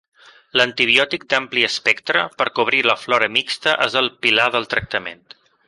L'antibiòtic d'ampli espectre per cobrir la flora mixta és el pilar del tractament.